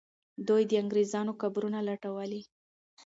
دوی د انګریزانو قبرونه لټولې.